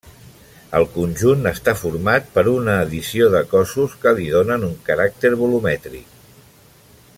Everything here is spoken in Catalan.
El conjunt està format per una addició de cossos que li donen un caràcter volumètric.